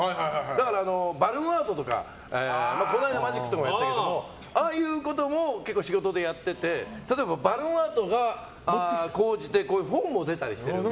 だからバルーンアートとかこのあいだマジックとかもやったけどもああいうことも仕事でやってて例えば、バルーンアートが高じて本も出たりしてるんです。